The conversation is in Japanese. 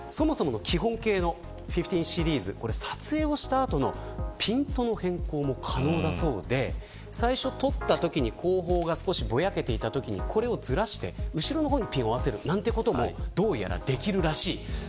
基本、１５シリーズは撮影したとのピントの変更も可能だそうで最初に撮ったときに後方がぼやけていたときにこれをずらして後ろにピントを合わせるということもどうやらできるらしいです。